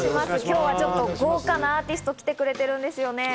今日はちょっと豪華なアーティストが来てくれてるんですよね？